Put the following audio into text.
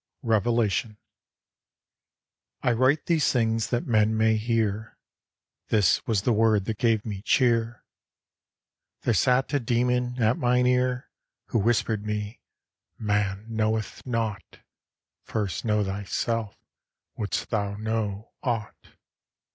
REVELATION I write these things that men may hear. This was the word that gave me cheer: There sate a dæmon at mine ear, Who whispered me, "Man knoweth naught. First know thyself wouldst thou know aught."